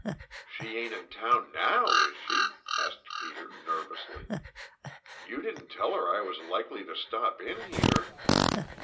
"She ain't in town now, is she?" asked Peter nervously. "You didn't tell her I was likely to stop in here?"